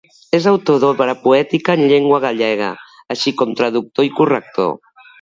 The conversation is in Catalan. És autor d'obra poètica en llengua gallega, així com traductor i corrector.